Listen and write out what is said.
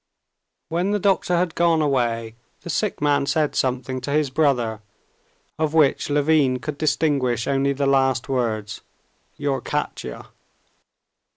When the doctor had gone away the sick man said something to his brother, of which Levin could distinguish only the last words: "Your Katya."